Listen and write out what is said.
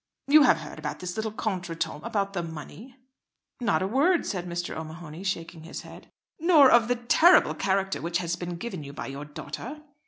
"You have heard about this little contretemps about the money." "Not a word," said Mr. O'Mahony, shaking his head. "Nor of the terrible character which has been given you by your daughter?"